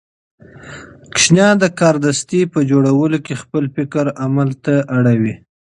ماشومان د کاردستي په جوړولو کې خپل فکر عمل ته اړوي.